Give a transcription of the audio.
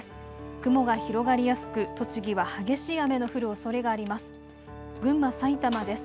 雲が広がりやすく栃木は激しい雨の降るおそれがあります。